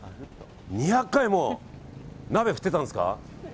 ２００回も鍋振ってたんですか。